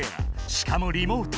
しかもリモート。